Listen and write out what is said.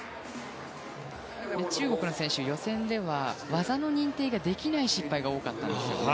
中国の選手、予選では技の認定ができない失敗が多かったんですね。